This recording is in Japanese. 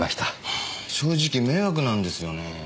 はぁ正直迷惑なんですよねぇ。